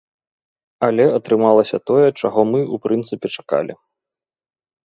Але атрымалася тое, чаго мы, у прынцыпе, чакалі.